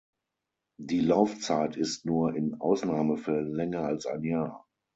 Die Laufzeit ist nur in Ausnahmefällen länger als ein Jahr.